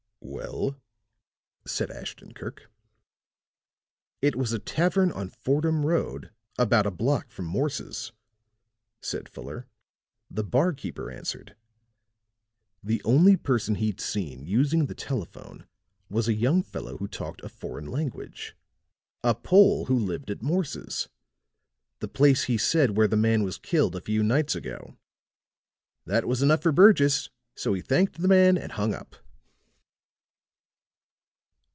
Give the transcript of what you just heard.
'" "Well?" said Ashton Kirk. "It was a tavern on Fordham Road about a block from Morse's," said Fuller. "The barkeeper answered. The only person he'd seen using the telephone was a young fellow who talked a foreign language a Pole who lived at Morse's the place he said where the man was killed a few nights ago. That was enough for Burgess; so he thanked the man and hung up."